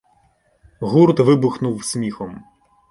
Гурт вибухнув сміхом.